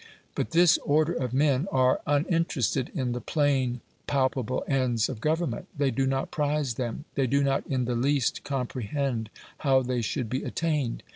But this order of men are uninterested in the plain, palpable ends of government; they do not prize them; they do not in the least comprehend how they should be attained.